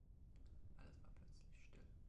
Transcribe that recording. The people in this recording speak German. Alles war plötzlich still.